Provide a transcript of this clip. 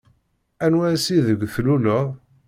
Anwa ass ideg tluleḍ?